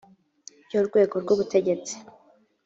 byo rwego rw ubutegetsi